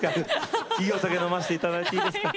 いいお酒飲ませて頂いていいですか。